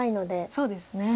そうですね。